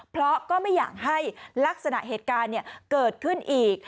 เพราะก็ไม่อยากให้ลักษณะเหตุการณ์เกิดขึ้นอีก